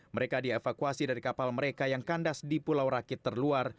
mereka dievakuasi dari kapal mereka yang kandas di pulau rakit terluar